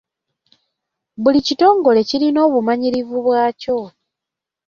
Buli kitongole kirina obumanyirivu bwakyo.